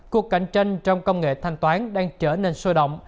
cuộc cạnh tranh trong công nghệ thanh toán đang trở nên sôi động